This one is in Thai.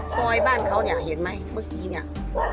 ซอยบ้านเขาเนี่ยเห็นไหมเมื่อกี้เนี่ย